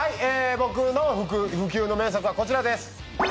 僕の不朽の名作はこちらです。